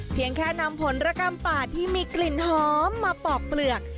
เพียงแค่นำผลระกำป่าที่มีกลิ่นหอมมาปอกเปลือก